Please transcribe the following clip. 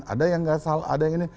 ada yang nggak salah ada yang ini